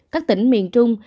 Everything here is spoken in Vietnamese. các tỉnh miền trung